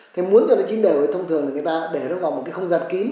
thế muốn cho nó chín đều thì thông thường là người ta để nó vào một cái không gian kín